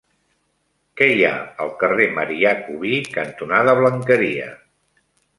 Què hi ha al carrer Marià Cubí cantonada Blanqueria?